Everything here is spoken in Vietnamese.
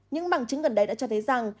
những bằng chứng gần đây đã cho thấy rằng